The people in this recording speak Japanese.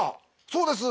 そうです。